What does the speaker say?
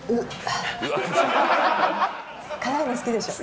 辛いの好きでしょ？